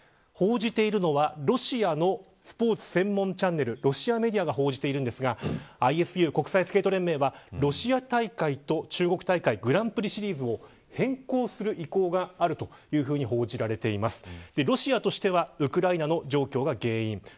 報じているのはロシアのスポーツ専門チャンネルロシアメディアが報じていますがＩＳＵ国際スケート連盟はロシア大会と中国大会グランプリシリーズを変更する意向があると報じられています。